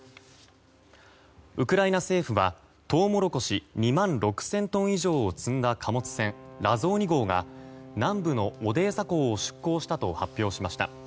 ウクライナ政府はトウモロコシ２万６０００トン以上を積んだ貨物船「ラゾーニ号」が南部のオデーサ港を出港したと発表しました。